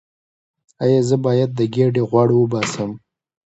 ایا زه باید د ګیډې غوړ وباسم؟